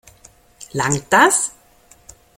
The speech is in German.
Langt das?